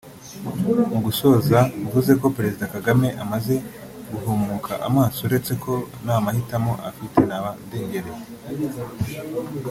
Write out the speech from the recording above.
Mu gusoza mvuze ko Perezida Kagame amaze guhumuka amaso uretse ko nta mahitamo afite naba ndengereye